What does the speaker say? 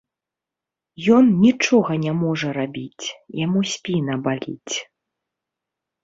Ён нічога не можа рабіць, яму спіна баліць.